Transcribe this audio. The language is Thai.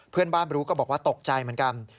เพื่อนบ้านรู้ก็บอกว่าตกใจเหมือนกัน